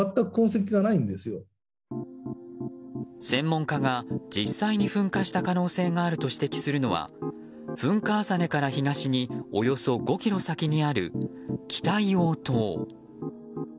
専門家が実際に噴火した可能性があると指摘するのは噴火浅根から東におよそ５ｋｍ先にある北硫黄島。